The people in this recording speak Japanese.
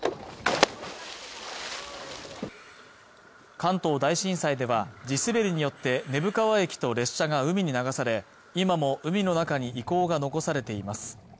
関東大震災では地すべりによって根府川駅と列車が海に流され今も海の中に遺構が残されています